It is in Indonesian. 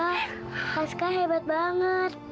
wah kak sekar hebat banget